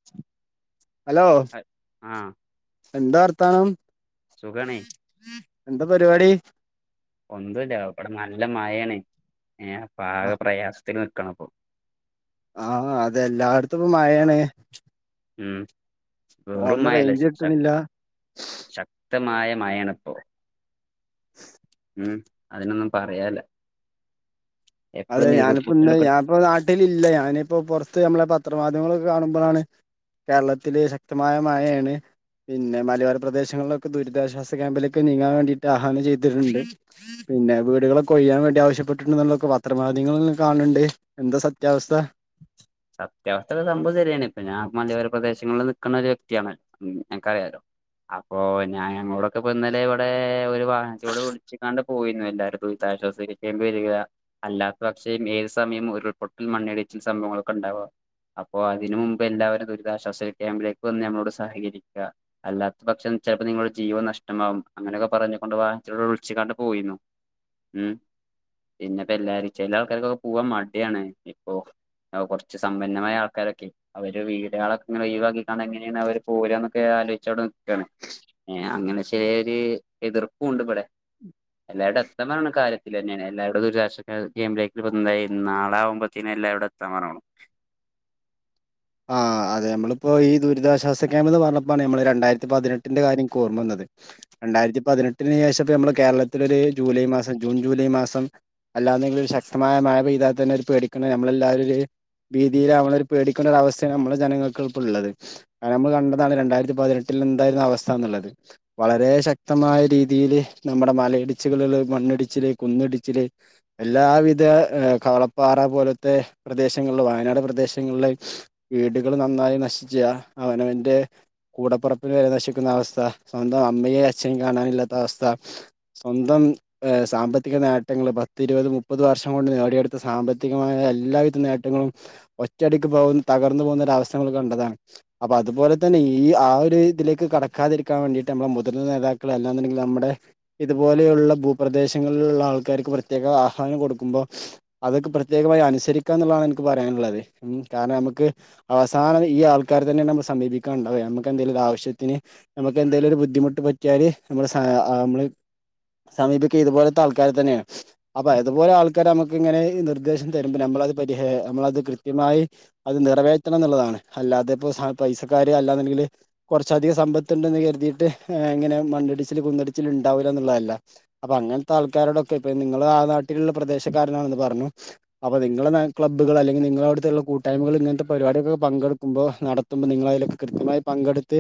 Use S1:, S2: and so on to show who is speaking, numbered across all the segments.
S1: ഉ [unintelligible] [inaudible] ഹലോ
S2: ആഹ്
S1: എന്താ വർത്താനം
S2: സുഖാണേ
S1: എന്താ പരിപാടി
S2: ഒന്നുമല്ല ഇ വിടെ നല്ല മഴാണ് ആക
S1: ആഹ്
S2: പ്രയാസത്തിൽ നിക്കണ ഇപ്പോ
S1: ആഹ അതെ എല്ലാട്ത്തും പ്പോ മഴെണ്
S2: മ് വെറും
S1: ഫോണിന്
S2: മയല്ല
S1: റേഞ്ച്
S2: ശ
S1: കിട്ടണില്ല
S2: ശക്തമായ മയാണ്പ്പോ
S1: [inaudible]
S2: ഉം അതിനൊന്നും പറയല്ല
S1: അതെ ഞാനിപ്പോ ഇന്ന്
S2: ഉരുൾപൊട്ടലൊക്കെ
S1: ഞാനിപ്പോ നാട്ടിലില്ല ഞാനിപ്പോ പൊറത്ത് അമ്മളെ പത്രമാധ്യമങ്ങളൊക്കെ കാണുമ്പോളാണ് കേരളത്തില് ശക്തമായ മഴയാണ് പിന്നെ മലയോര പ്രദേശങ്ങൾള്ളോക്കെ ദുരിതാശ്വാസ ക്യാമ്പിലെക് നീങ്ങാൻ വേണ്ടിട്ട് ആഹ്വാനം ചെയ്തിട്ട്ണ്ട്. പിന്നെ വീട്കളോക്കെ ഒഴ്യാൻ വേണ്ടി ആവശ്യപ്പെട്ടുണ്ടുള്ളൊക്കെ വ പത്രമാധ്യളെല്ലം കാണ്ണ്ണ്ട് എന്താ സത്യാവസ്ഥ
S2: സത്യാവസ്ഥ സംഭവം ശെരിണ് പ്പൊ ഞാൻ മലയോര പ്രദേശങ്ങള്ള് നിക്ക്ണ ഒരു വ്യക്തിണ് അക്കറിലോ അപ്പൊ ഞാൻ ഞങ്ങളോടൊക്കെ പോന്നലെ ഇവടെ ഒരു വാഹനത്തിലൂടെ പിടിച്കാണ്ട് പോയിര്ന്നു എല്ലാരുദുരിദാഷാസ കാമ്പിലേക്ക് വരിക വരുക അല്ലാത്ത പക്ഷേ ഏത് സമ്യം ഉരുൾപൊട്ടൽ മണ്ണിടിച്ചിൽ സംഭവങ്ങളൊക്കെ ണ്ടാവ അപ്പൊ അതിന് മുമ്പ് എല്ലാവരും ദുരിതാശ്വാസ ക്യാമ്പിലേക്ക് വന്ന് ഞമ്മളോട് സഹകരിക്ക. അല്ലാത്ത പക്ഷം ചെൽപ്പോ നിങ്ങടെ ജീവൻ നഷ്ടമാവും അങ്ങനെയൊക്കെ പറഞ്ഞ കൊണ്ട് വാഹത്തികാണ്ട് വിളിച്ചിക്കാണ്ട് പോയിര്ന്നു ഉം പിന്നെപ്പോ എല്ലാരും ചെല ആൾക്കാർക്കൊക്കെ പോവാ മടിആണ് ഇപ്പൊ അഹ് കൊറച്ച് സമ്പന്നമായ ആൾക്കാരൊക്കെ അവര് വീടുളൊക്കെ ഇങ്ങനെഒഴിവാക്കിക്കാണ്ട് എങ്ങനെണ് അവര് പോരാന്നൊക്കെ ആലോചിച്ച അവടെ നിക്കാണ് ഏ അങ്ങനെ ചെറിയൊരു എതിർപ്പും ണ്ട് ഇവടെ എല്ലാരടെ എത്തണെ കാര്യത്തിൽലെ ന്നെണ് എല്ലരുടും ഒരു നാള ആമ്പോത്തിനെ എല്ലാരോ ട സമരമാണ്
S1: ആഹ് അതെ നമ്മളിപ്പോ ഈ ദുരിതാശ്വാസ ക്യാമ്പ ന്ന് പർഞ്ഞപ്പാണ് നമ്മള് രണ്ടായിരത്തി പതിനെട്ടിന്റെ കാര്യം ക് ഓർമ്മ വന്നത്. രണ്ടായിരത്തി പതിനെട്ടിന് ശേഷം അമ്മള് കേരളത്തിലൊര് ജൂലൈ മാസം ജൂൺ ജൂലൈ മാസം അല്ലാതെങ്കിലും ഒരു ശക്തമായ മയ പെയ്താ തെന്നെ ഒരു പേടിക്കണ നമ്മളെ എല്ലാവും ഒരു ഭീതിലാവണോര് പേടി പ്പ ര് അവസ്ഥയ ഞമ്മളെ ജനങ്ങൾക്ക് പ്പ ള്ളത്. അമ്മൾ കണ്ടതാണ് രണ്ടായിരത്തി പതിനെട്ടിൽ എന്തായിരുന്നു അവസ്ഥന്നുള്ളത് വളരെ ശക്തമായ രീതിയില് നമ്മുടെ മലയിടിച്ചുകളില് മണ്ണിടിച്ചില് കുന്നിടിച്ചില് എല്ലാവിധ കാളപ്പാറ പോലത്തെ പ്രദേശങ്ങള്ള് വയനാട് പ്രദേശങ്ങള്ള് വീടുകൾ നന്നായി നശിച്ച അവനവന്റെ കൂടപെറപ്പിനെ നേശിക്കുന്ന അവസ്ഥ സ്വന്തം അമ്മയെ അച്ഛനേം കാണാനില്ലാത്ത അവസ്ഥ സ്വന്തം ഏ സാമ്പത്തിക നേട്ടങ്ങള് പത്തി ഇരുപത് മുപ്പത് വർഷം കൊണ്ട് നേടിയെടുത്ത സാമ്പത്തികമായ എല്ലാവിധ നേട്ടങ്ങളും ഒറ്റടിക്ക് പോകു തകർന്നു പോകുന്ന ഒര അവസ്ഥ മ്മള് കണ്ടതാണ്. അപ്പൊ അതുപോലെ തന്നെ ഈ ആ ഒരു ഇതിലേക്ക് കടക്കാതിരിക്കാ വേണ്ടിട്ട് മ്മളെ മുതിർന്ന നേതാക്കളെ അല്ലാന്ന്ണ്ടെങ്കില് അമ്മടെ ഇതുപോലെയുള്ള ഭൂപ്രദേശങ്ങളിലുള്ള ആൾക്കാർക്ക് പ്രത്യേക ആഹ്വാനം കൊടുക്കുമ്പോ അതൊക്കെ പ്രത്യേകമായി അനുസരിക്കാന്ന്ള്ളാണ് ഇൻക്ക് പറയാന്ള്ളത്. ഉം കാരണം അമ്മക്ക് അവസാനം ഈ ആൾക്കാരെ തന്നെ ആണ് നമ്മ സമീപിക്കാണ്ടാവ ഞമ്മക്ക് എന്തേലും ഒര് ആവശ്യത്തിന് നമുക്ക് എന്തേലും ഒരു ബുദ്ധിമുട്ട് പറ്റിയാല് നമ്മള് സായാ ആ അമ്മള് സമീപിക്ക ഇതുപോലത്തെ ആൾക്കാരെ തന്നെണ്. അപ്പൊ അതുപോലെ ആൾക്കാര് നമകിങ്ങനെ നിർദ്ദേശം തരുമ്പോ നമ്മളത് പരിഹെ നമ്മളത് ക് കൃത്യമായി അത് നിറവേറ്റണം ന്ന്ള്ളതാണ് അല്ലാതെ ഇപ്പോ പൈസക്കാര് അല്ലാന്ന്ണ്ടെങ്കില് കൊർച്ചധികം സമ്പത്ത് ണ്ടെന്ന് കരുതീട്ട് ഇങ്ങനെ മണ്ണിടിച്ചില് കുന്ന്ടിച്ചില് ണ്ടാവൂലാ ന്ന്ള്ളല്ല. അപ്പൊ അങ്ങൻത്തെ ആൾക്കാരോടൊക്കെ ഇപ്പ നിങ്ങള് ആ നാട്ടിലുള്ള പ്രദേശക്കാരനാണെന്ന് പർഞ്ഞു അപ്പൊ നിങ്ങള ന ക്ബ്ബുകള് അല്ലെങ്കി നിങ്ങളോട് ത്ള്ള കൂട്ടായ്മകൾ ഇങ്ങൻത്തെ പരിപാടികൊക്കെ പങ്കെടുക്കുമ്പോ നടത്തുമ്പോ നിങ്ങള് അയ്ലൊക്കെ കൃത്യമായി പങ്കെടുത്ത്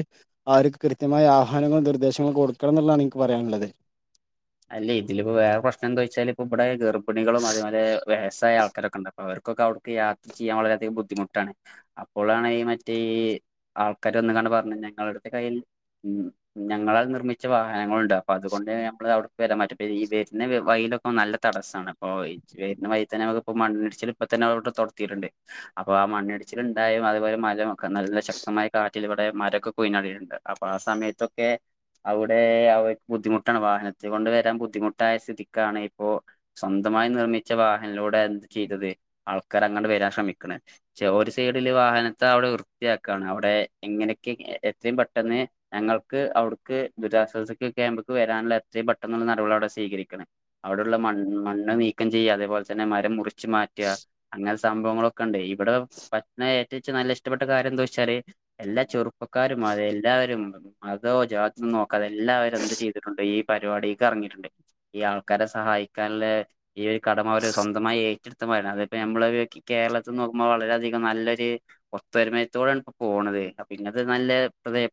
S1: അവർക്ക് കൃത്യമായ ആഹാരങ്ങളും നിർദ്ദേശങ്ങളും കൊടുക്കണം ന്ന്ള്ളണ് ഇൻക്ക് പറയാന്ള്ളത്.
S2: അല്ലെ ഇതില് ഇപ്പോ വേറെ പ്രശ്നം എന്തയ്യ്ച്ചാല് ഇപ്പോ ഇവടെ ഗർഭിണികളും അതേ പേലേ വേസായ ആ കരക്കണ്ട് അപ്പൊ അവര്ക്കൊക്കെ അവ്ട്ക്ക് യാത്ര ചെയ്യാൻ വളരെധികം ബുദ്ധിമുട്ടാണ്. അപ്പോളാണ് ഈ മറ്റേ ഈ ആൾക്കാര് വന്ന്ങ്ങാണ്ട് പർഞ്ഞു ഞങ്ങളട്ത്ത് കയ്യിൽ ഉം ഞങ്ങളാൽ നിർമ്മിച്ച വാഹനങ്ങളുണ്ട് അപ്പൊ അതുകൊണ്ട് ഞമ്മൾ അവിട് വരാൻ [unintelligible] വെര്ണ വഴിയിൽ നല്ല തടസ്സാണ് അപ്പൊ ഈ വരുന്ന വയീ തന്നെ ഞമ്മക്ക് ഇപ്പ മണ്ണടിച്ചില് ഇപ്പ തന്ന അവിടെ തൊട്തീട്ടുണ്ട് അപ്പൊ ആ മണ്ണിടിച്ചിൽ ഇണ്ടായും അതുപോലെ മലയൊക്കെ നല്ല ശക്തമായ കാ ഇവിടെ മരക്കെ പവീണിട്ടുണ്ട് അപ്പൊ ആ സമയത്തൊക്കെ അവ്ടെ അവർക്ക് ബുദ്ധിമുട്ടാണ് വാഹനത്തി കൊണ്ട് വരാൻ ബുദ്ധിമുട്ടായ സ്ഥിതിക്കാണ് ഇപ്പോ സ്വന്തമായി നിർമ്മിച്ച വാഹനിൽലൂടെ അത് ചെയ്തത് ആൾക്കർ അങ്ങണ്ട് വരാൻ ശ്രമിക്ക്ണ്‌ [unintelligible] ഒരു സൈഡില് വാഹനത്തെ അവിടെ വൃത്തിയാക്കാണ് അവ്ടെ എങ്ങനെയൊക്കെ എത്രയും പെട്ടെന്ന് ഞങ്ങൾക്ക് അവ്ട്ക്ക് ദുരിശ്വാസ ക്യാമ്പിക്ക് വെരാനുള്ള എത്രയും പെട്ടെന്നൊന്ന് നടപട [unintelligible] സ്വീകരിക്കണം അവിടെള്ള മൺ മണ്ണ് നീക്കം ചെയ്യ അതേപോലെ തന്നെ മരം മുറി ച്ച് മാറ്റ അങ്ങനെ സംഭവങ്ങളൊക്കെണ്ടെ ഇവിടെ പറ്റ ഏറ്റവും നല്ല ഇഷ്ടപ്പെട്ട കാര്യം എന്തേച്ചാല് എല്ലാ ചെറുപ്പക്കാരും അതെ എല്ലാരും അതോ [unintelligible] നോക്കാതല്ലാവരും എന്ത് ചെയ്തിട്ടുണ്ട് ഈ പരിപാടിക്ക് എർങ്ങീട്ടുണ്ട്. ഈ ആൾക്കാരെ സഹായിക്കാന്ള്ള ഈ ഒരു കടമ അവര് സ്വന്തമായി ഏറ്റ [unintelligible] അപ്പ നമ്മള് കേരളത്തിൽ നോക്കുമ്പോ വളരെധികം നല്ലൊര് ഒത്തരുമയത്തോടാണ് ഇപ്പോ പോണത് അപ്പൊ ഇങ്ങത്തെ നല്ല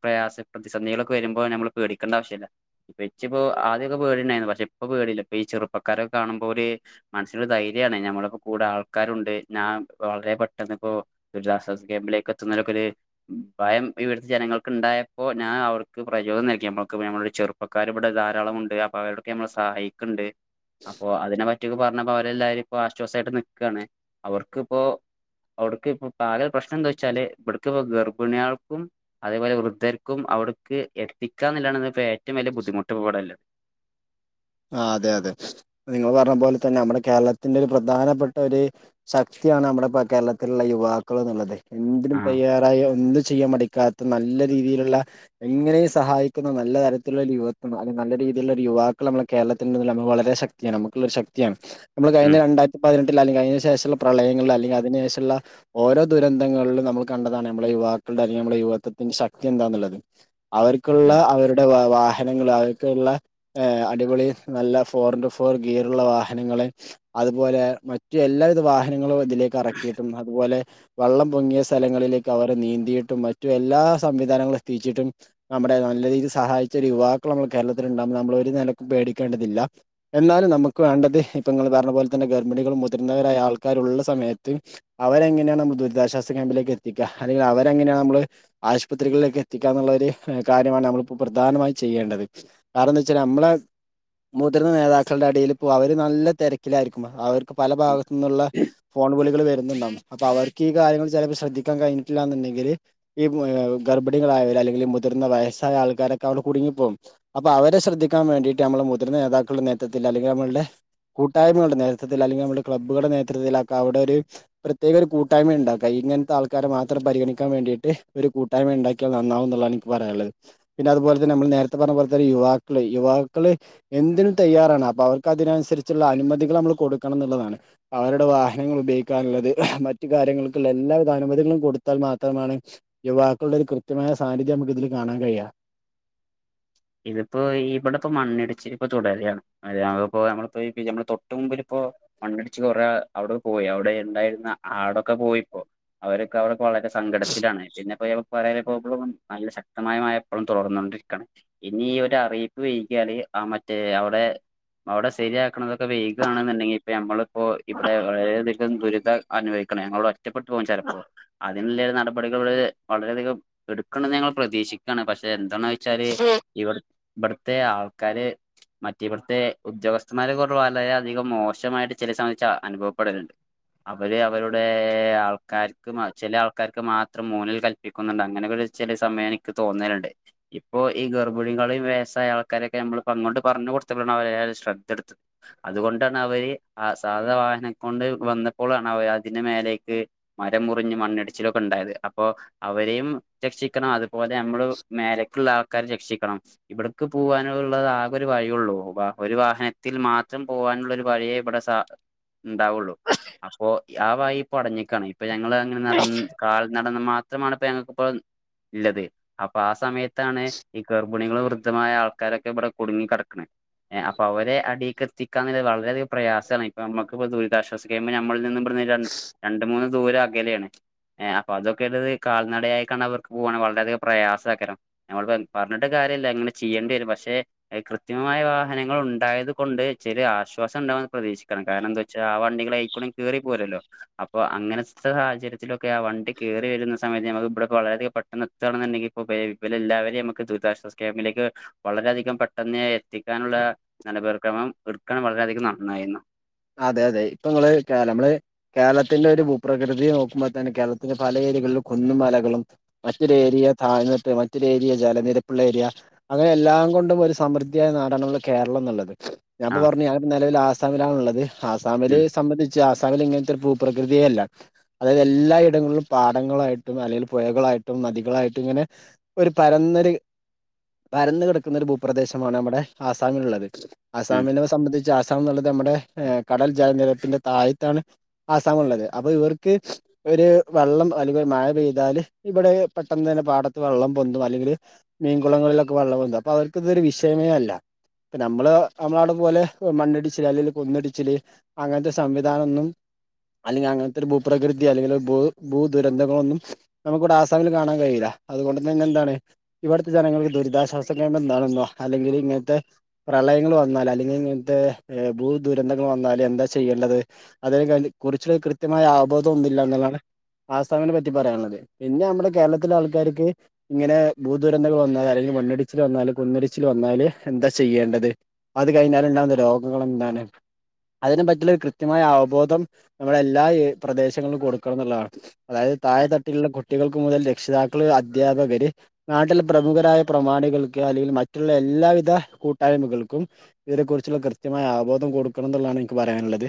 S2: പ്രയാസ പ്രതിസന്ധികളൊക്കെ വരുമ്പോ നമ്മള്‌ പേടിക്കേണ്ട ആവശ്യല്ല ഇ ഇപ്പോ ആദ്യക്കെ പേടി ഇണ്ടായിന്നു പക്ഷെ ഇപ്പൊ പേടില്ല ഇപ്പൊ ചെറുപ്പക്കാരൊക്കെ കാണുമ്പോര് മനസ്സിലൊരു ധൈര്യാണ് ഞമ്മളിപ്പോ കൂടെ ആൾക്കാരുണ്ട് ഞാ വളരെ പെട്ടെന്ന്പ്പോ ദുരിതാശ്വാസ ക്യാമ്പിലേക്ക് എത്തുന്ന തൊക്ക ഒര് ഭയം ഇവിട്ത്തെ ജനങ്ങൾക്ക് ഇണ്ടായപ്പോ ഞാൻ അവർക്ക് പ്രചോദനം നൽകി നമ്മക്ക് നമ്മള ഒരു ചെറുപ്പ ക്കാർ ഇവിടെ ധാരാളമുണ്ട് അപ്പൊ അവരടൊക്കെ നമ്മളെ സഹായിക്കണ്ട് അപ്പോ അതിനെ പ റ്റിയൊക്കെ പറഞ്ഞപ്പോ അവരെല്ലാരും ഇപ്പ ആശ്വാസായിട്ട് നിക്കാണ്. അവർക്കിപ്പോ അവർക്ക് ഇപ്പൊ ആകെ പ്രശ്ന എന്താ വെച്ചാല് ഇവിട്ക്കപ്പോ ഗർ ഭിണിയാൾക്കും അതേപോലെ വൃദ്ധർക്കും അവർക്ക് എത്തിക്കാ ന്ന് ള്ളതാണ് ഇന്ന് ഏറ്റവും വലിയ ബുദ്ദിമുട്ട് ഇപ്പോ ഇവിടെള്ളത്
S1: ആഹ് അതെ അതെ നിങ്ങൾ പറഞ്ഞ പോലെ തന്നെ നമ്മുടെ കേരളത്തിന്റെ ഒരു പ്രധാനപ്പെട്ട ഒര് ശക്തിയാണ് നമ്മടെ കേരളത്തിലുള്ള യുവാക്കള് എന്നുള്ളത് എന്തിനും
S2: ആ
S1: തയ്യാറായി എന്ത് ചെയ്യാൻ മടി ക്കാത്ത നല്ല രീതിയിലുള്ള എങ്ങനെയും സഹായിക്കുന്ന നല്ല തരത്തിലുള്ളൊരു യുവത്വ അല്ലങ്കി നല്ല രീതിയിലുള്ള ഒരു യുവാ നമ്മളെ കേരളത്തിന്റെ വളരെ ശക്തിയാണ് നമുക്ക ഒരു ശക്തിയാണ് നമ്മൾ കഴിഞ്ഞ
S2: ഉം
S1: രണ്ടാ പതിനെട്ടിൽ അല്ലെങ്കിൽ അതിനു ശേഷള്ള പ്രളയങ്ങളിൽ അല്ലെങ്കിൽ അതിനു ശേഷള്ള ഓരോ ദുരന്തങ്ങളിലും നമ്മൾ കണ്ടതാണ് നമ്മളെ യുവാക്കളുടെ അല്ലെങ്കിൽ നമ്മളുടെ യുവാത്വത്തിന്റെ ശക്തി എന്താന്നുള്ളത് അവർക്കുള്ള
S2: ഉം
S1: അവരുടെ വാഹ വാഹനങ്ങൾ അവർക്കുള്ള ഏ, അടിപൊളി നല്ല ഫോർ ഇൻടു ഫോർ ഗീറുള്ള വാഹനങ്ങള് അതുപോലെ മറ്റു എല്ലാവിധ വാഹനങ്ങളും ഇതിലേക്ക് എറക്കിയിട്ടും അതുപോലെ വെള്ളം പൊങ്ങിയ സ്ഥലങ്ങളിലേക്ക് അവര് നീന്തിയിട്ടും മറ്റു എല്ലാ സംവിധാനങ്ങളും എത്തിച്ചിട്ടും നമ്മുടെ നല്ല രീതിൽ സഹായിച്ച ഒരു യുവാക്കൾ നമ്മള് കേരളത്തിലണ്ടാവുമ്പോൾ നമ്മളൊരു നെലക്കും പേടിക്കേണ്ടതില്ല എന്നാലും നമുക്ക് വേണ്ടത് ഇപ്പ ഇങ്ങള് പർഞ്ഞ പോലെ തന്നെ ഗർഭിണികളും മുതിർന്നവരായ ആൾക്കാരുള്ള സമയത്ത് അവരെങ്ങനെയാണ് നമ്മൾ ദുരിതാശ്വാസ ക്യാമ്പിലേക്ക് എത്തിക്ക അല്ലെങ്കി അവരെങ്ങനെയാണ് നമ്മള് ആശുപത്രികളിലേക്ക് എത്തിക്കാ എന്നുള്ള ഒരു കാര്യമാണ് നമ്മളിപ്പോ പ്രധാനമായും ചെയ്യേണ്ടത് കാരണം എന്താച്ച ച്ച നമ്മളെ മുതിർന്ന നേതാക്കളുടെ അടിയിൽ ഇപ്പോ അവർ നല്ല തെരക്കിലായിരിക്കും അവർ ക്ക് പല ഭാഗത്തു നിന്നുള്ള ഫോൺ വിളികൾ വരുന്നുണ്ടാവും അപ്പൊ അവർക്ക് ഈ കാര്യങ്ങൾ ചെലപ്പം ശ്രദ്ധിക്കാൻ കഴിഞ്ഞട്ടില്ലാന്നുണ്ടെങ്കില് ഈ ഗർഭിണികളായവർ അല്ലെങ്കിൽ മുതിർന്ന വയസ്സായ ആൾക്കാരൊക്കെ അവിടെ കുടുങ്ങിപ്പോവും അപ്പൊ അവരെ ശ്രദ്ധിക്കാൻ വേണ്ടിയിട്ട് നമ്മള് മുതിർന്ന നേതാക്കളുടെ നേതൃത്തിൽ അല്ലെങ്കിൽ നമ്മളുടെ കൂട്ടായ്മകളുടെ നേതൃത്വത്തിൽ അല്ലെങ്കിൽ നമ്മടെ ക്ലബ്ബുകളുടെ നേതൃത്തത്തിലൊക്കെ അവിടെ ഒരു പ്രത്യേക ഒരു കൂട്ടായ്മ ഉണ്ടാക്ക ഇങ്ങനത്തെ ആൾക്കാരെ മാത്രം പരിഗണിക്കാൻ വേണ്ടിയിട്ട് ഒരു കൂ ട്ടായ്മ ഉണ്ടാക്കിയ നന്നാവും എന്നുള്ളാണ് എനിക്ക് പറയാനുള്ളത് പിന്നെ അതുപോലെന്നെ നമ്മൾ നേരത്തെ പറഞ്ഞ പോലെ തന്നെ യുവാ ക്കള് യുവാക്കള് എന്തിനും തയ്യാറാണ് അപ്പൊ അവർക്ക് അതിനനുസരിച്ചുള്ള അനുമതികൾ നമ്മള് കൊടുക്കണം ന്നുള്ളതാണ് അവരുടെ വാഹനങ്ങൾ ഉപയോഗിക്കാനുള്ളത് മറ്റു കാര്യങ്ങൾക്കുള്ള എല്ലാവിധ അനുമതികളും കൊടുത്താൽ മാത്രമാണ് യുവാക്കളുടെ ഒരു കൃത്യമായ സാന്നിധ്യം നമുക്ക് ഇതിൽ കാണാൻ കഴിയ.
S2: ഇതിപ്പോ ഇവിടെ ഇപ്പോ മണ്ണിടിച്ചില് ഇപ്പൊ തുടരാണ്. അയാളിപ്പോ നമ്മളിപ്പോ ഈ നമ്മളെ തൊട്ട് മുമ്പിലിപ്പോ. മണ്ണിടിച്ച് കൊറേ അവിടെ പോയി അവിടെ ഇണ്ടായിരുന്ന ആടൊക്കെ പോയിപ്പോ അവരൊ ക്കെ അവർ വളരെ സങ്കടത്തിലാണ് പിന്നെ [unintelligible] നല്ല ശക്തമായ മഴ ഇപ്പളും തൊടർന്നു കൊണ്ടിരിക്കാണ്. ഇനി ഈ ഒരു അറിയിപ്പ് വൈകിയാല് ആ മറ്റേ അവിടെ അവിടെ ശരിയാക്ക്ണതൊക്കെ. വൈകാണുന്നിണ്ടെങ്കി ഇപ്പ ഞമ്മളിപ്പോ ഇവിടെ വളരെയധികം ദുരിതം അനുഭവിക്കണം ഞങ്ങളിവിടെ നഷ്ടപ്പെട്ട് പോകും ചെലപ്പോ അതിനുള്ള ഒരു നട ഇവടെകെ വളരെയധികം എടുക്കണെന്ന് ഞങ്ങള് പ്രതീക്ഷികയാണ് പക്ഷെ എന്താണ് വെച്ചാല്. ഇവർ ഇബടുത്തെ ആൾക്കാര്. മറ്റ ഇവിടുത്തെ ഉദ്യോഗസ്ഥന്മാരെ കുറി വളരെയധികം മോശമായിട്ട് ചില സമയച് അനുഭവപ്പെടല്ണ്ട്. അവര് അവരുടെ ആൾക്കാർക്ക് ചില ആൾക്കാർക്ക് മാത്രം മൂന്നൽ കല് പിക്കുന്നുണ്ട് അങ്ങനൊക്ക ഒരു ചെല സമയം എനിക്ക് തോന്നലുണ്ട് ഇപ്പോ. ഈ ഗർഭിണികളെ വയസായ ആൾക്കാരൊക്കെ നമ്മൾ ഇപ്പോൾ അങ്ങോട്ട് പറഞ് കൊടുത്തപ്പളാണ് അവര് ഏയാലും ശ്രദ്ധ എടുത്തത്. അതുകൊണ്ടാണ് അവര് ആ സാധ വാഹനം കൊണ്ട് വന്നപ്പോളാണ് അതിന്റെ മേലേക്ക്. മരം മുറിഞ്ഞു മണ്ണിടിച്ചിലൊക്കെ ഉണ്ടായത് അപ്പോ അവരെയും രക്ഷിക്കണം അതുപോലെ നമ്മള് മേലക്കുള്ള ആൾക്കാരെ രക്ഷിക്കണം. ഇവിടക്ക് പോവാനുള്ളത് ആകെ ഒരു വഴിയുള്ളൂ ഒരു വാഹനത്തിൽ മാത്രം പോവാനുള്ള ഒരു വഴിയെ ഇബടെ [unintelligible] ഉണ്ടാവുള്ളു അപ്പൊ ആ വയി ഇപ്പൊ അടഞ്ഞിക്കാണ്. ഇപ്പൊ ഞങ്ങള് അങ്ങനെ നടന്ന് കാൽ നടന്ന് മാത്രമാണ് ഇപ്പോ ഞങ്ങൾക്കിപ്പോ ഉള്ളത് അപ്പൊ ആ സമയത്ത്. ത്താണ് ഈ ഗർഭിണികൾ വൃദ്ധമായ ആൾക്കാരൊക്കെ ഇബടെ കുടുങ്ങി കടക്ക്ണ്. ഏഹ് അപ്പൊ അവരെ അടീക്കെത്തിക്കാന്ന്ള്ളെ വളരെ അധിക പ്രയാസാണ് ഇപ്പ നമ്മക്കിപ്പം ദുരിതാശ്വാ സ ക്യാമ്പ് നമ്മളിൽ നിന്നും ഇബട്ന്ന് രണ്ട് രണ്ട്‌ മൂന്ന് ദൂരം അകലെയാണ്. ഏഹ് അപ്പൊ അതൊക്കെ ഉത് കാൽനടയായിക്കാണ് അവർക്ക് പോണ് വളരെ അധികം പ്രയാസക്കാരം നമ്മളിപ്പം പറഞ്ഞിട്ട് കാര്യല്ല ഇങ്ങനെ ചെയ്യേണ്ടി വരും പക്ഷെ ഏഹ് കൃത്യമായ വാഹനങ്ങൾ ഉണ്ടായത് കൊണ്ട് ചെറിയ ആശ്വാസം ഉണ്ടാവുന്ന് പ്രതീക്ഷിക്കണം കാരണം എന്താ വെച്ചാ ആ വണ്ടികൾ എയ്ക്കുടിം കേറി പോരോല്ലോ? അപ്പൊ അങ്ങനത്തെ സാഹചര്യത്തിലൊക്കെ ആ വണ്ടി കേറി വരുന്ന സമയത്ത് നമ്മക്ക് ഇബടെ ഒക്കെ വളരെ അധികം പെട്ടെന്ന് എത്താണ്ന്നുണ്ടെങ്കി ഇപ്പം ഇബെ ഇബലെ എല്ലാവരെയും നമുക്ക് ദുരിതാശ്വാസ ക്യാമ്പിലേക്ക് വളരെയധികം പെട്ടെന്ന് എത്തിക്കാനുള്ള നല്ലപേർക്രമം എടുക്കണം വളരെയധികം നന്നായിരുന്നു.
S1: അതെ അതെ ഇപ്പൊ ഇങ്ങള് കേല നമ്മള് കേരളത്തിന്റെ ഒരു ഭൂപ്രകൃതി നോക്കുമ്പോ തന്നെ കേരളത്തിന്റെ പല ഏരിയകളും കുന്നുമലകളും. മറ്റൊരു ഏരിയ താഴ്ന്നിട്ട് മറ്റൊരു ഏരിയ ജലനിരപ്പുള്ള ഏരിയ. അങ്ങനെ എല്ലാം കൊണ്ടും ഒരു സമൃദ്ധിയായ നാടാണ് നമ്മളെ കേരളം എന്നുള്ളത്. ഞാൻ
S2: ആ
S1: പറഞ്ഞു ഞാൻ ഇപ്പോൾ നിലവിൽ ആസാമിലാണുള്ളത് ആസാമില്
S2: ഉം
S1: സംബന്ധിച്ച് ആസാമില് ഇങ്ങനത്തെ ഒരു പ്രകൃതിയേ അല്ല. അതായത് എല്ലായിടങ്ങളിലും പാടങ്ങളായിട്ടും അല്ലെങ്കിൽ പുഴകളായിട്ടും നദികളായിട്ടും ഇങ്ങനെ ഒരു പരന്നൊരു പരന്ന് കിടക്കുന്നൊരു ഭൂപ്രദേശമാണ് നമ്മടെ ആസാമിലുള്ളത്.
S2: ഉം
S1: അസാമിനെ സംബന്ധിച്ച് അസാം എന്നുള്ളത് നമ്മുടെ കടൽ ജലനിരത്തിന്റെ താഴത്താണ്. ആസാമുള്ളത് ഉള്ളത് അപ്പൊ ഇവർക്ക് ഒരു വെള്ളം അല്ലെങ്കിൽ ഒരു മഴ പെയ്താല് ഇവിടെ പെട്ടെന്ന് തന്നെ പാടത്ത് വെള്ളം പൊന്തും അല്ലെങ്കിൽ മീൻകുളങ്ങളിലൊക്കെ വെള്ളം പൊന്തും അപ്പൊ അവർക്ക് ഇതൊരു വിഷയമേ അല്ല. ഇപ്പ നമ്മള് നമ്മള അവിടെ പോലെ മണ്ണടിച്ചിൽ അല്ലങ്കിൽ കുന്നിടിച്ചിൽ. ച്ചിൽ അങ്ങനത്തെ സംവിധാനം ഒന്നും അല്ലെങ്കിൽ അങ്ങനത്തെ ഒരു ഭൂപ്രകൃതി അല്ലെങ്കിൽ ഭൂ ഭൂ ദുരന്തങ്ങളൊന്നും നമുക്കിവിടെ ആസാമിൽ കാണാൻ കഴിയില്ല അതുകൊണ്ട് തന്നെ എന്താണ്. ഇവിടുത്തെ ജനങ്ങൾക്ക് ദുരിതാശ്വാസ ക്യാമ്പ് എന്താണെന്നോ അല്ലെങ്കിൽ ഇങ്ങനത്തെ പ്രളയങ്ങൾ വന്നാല അല്ലെങ്കിൽ ഇങ്ങനത്തെ ഭൂദു ന്തങ്ങൾ വന്നാല് എന്താ ചെയ്യേണ്ടത് അതിനെ കുറിച്ച കൃത്യമായ ആബോധം ഒന്നുമില്ല എന്നാണ് ആസാമിനെ പറ്റി പറയാനുള്ളത് പിന്നെ നമ്മുടെ കേരളത്തിലെ ആൾക്കാർക്ക് ഇങ്ങനെ ഭൂദുരന്തങ്ങൾ വന്നാല അല്ലെങ്കിൽ മണ്ണിടിച്ചിൽ വന്നാലും കുന്നിടിച്ചിൽ വന്നാല് എന്താ ചെയ്യേണ്ടത്? അത് കഴിഞ്ഞാല്ണ്ടാവുന്ന രോഗങ്ങളൾ എന്താണ്? അതിനെ പറ്റിയുള്ള കൃത്യമായ അവബോധം നമ്മുടെ എല്ലാ പ്രദേശങ്ങളിലും കൊടുക്കണം എന്നുള്ളതാണ്. അതായത് താഴെ തട്ടിലുള്ള കുട്ടികൾക്ക് മുതൽ രക്ഷിതാക്കള് അധ്യാപകര് നാട്ടിലെ പ്രമുഖരായ പ്രമാണികൾക്ക് അല്ലെങ്കിൽ മറ്റുള്ള എല്ലാവിധ കൂട്ടായ്മകൾക്കും. ഇതിനെ കുറിച്ചുള്ള കൃത്യമായ ആബോധം കൊടുക്കണം എന്നുള്ളതാണ് എനിക്ക് പറയാനുള്ളത്.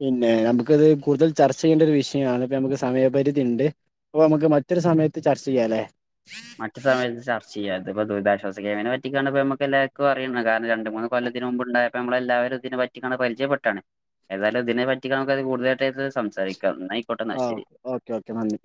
S1: പിന്നെ നമുക്കത് കൂടുതൽ ചർച്ച ചെയ്യേണ്ട ഒരു വിഷയമാണ് ഇപ്പ നമുക്ക് സമയപരിധി ഉണ്ട്. അപ്പ നമുക്ക് മറ്റൊരു സമയത്ത് ചർച്ച ചെയ്യാല്ലേ.
S2: മറ്റ് സമയത്ത് ചർച്ച ചെയ്യ അ ഇതിപ്പോ ദുരിതാശ്വാസ കേമ്പിനെ പറ്റിക്കാന്പ നമുക്ക് എല്ലാവർക്കും അറിയാം കാരണം രണ്ട് മൂന്ന് കൊല്ലത്തിന് മുമ്പുണ്ട. അ നമ്മളെല്ലാവരും ഇതിനെ പറ്റി പരിചയപ്പെട്ടാണ്. ഏതായാലും ഇതിനെ പറ്റി നമുക്ക് അത് കൂടുതലായിട്ട്ത് സംസാരിക്കാംന്നായിക്കോട്ടെ എന്നാ ശരി.
S1: ഓക്കെ ഓക്കെ ഓക്കെ നന്ദി.